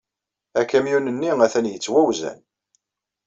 Akamyun-nni atan yettwawzan.